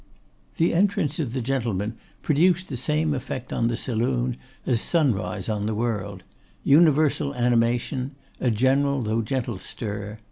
The entrance of the gentlemen produced the same effect on the saloon as sunrise on the world; universal animation, a general though gentle stir.